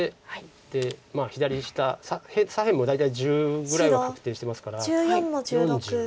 で左下左辺も大体１０ぐらいは確定してますから４０。